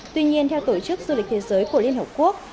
tuy nhiên theo tổ chức du lịch thế giới của liên hợp quốc